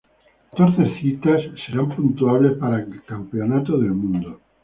Catorce citas serán puntuables para el campeonato del mundo.